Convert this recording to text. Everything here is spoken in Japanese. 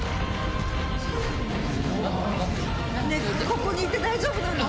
ここにいて大丈夫なの？